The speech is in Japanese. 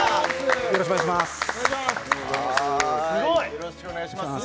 よろしくお願いします